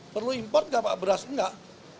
perlu import gak pak beras enggak